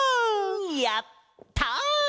やった！